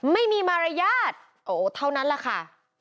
ไม่มีมารยาทโอ้เท่านั้นแหละค่ะ